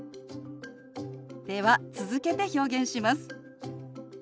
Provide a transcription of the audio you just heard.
では続けて表現します。